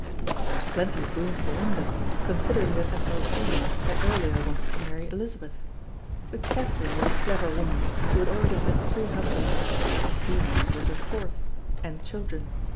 There is plenty of room for wonder, considering that Admiral Seymour had earlier wanted to marry Elizabeth. But Catherine was a clever woman, who had already had three husbands Seymour was her fourth and children.